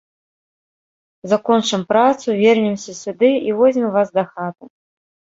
Закончым працу, вернемся сюды і возьмем вас дахаты